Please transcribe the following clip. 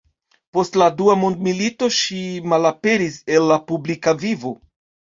Post la dua mondmilito ŝi malaperis el la publika vivo.